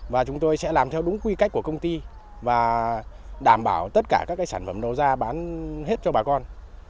và chúng tôi sẽ làm theo đúng quy cách của công ty và đảm bảo tất cả các sản phẩm đầu ra bán hết cho bà con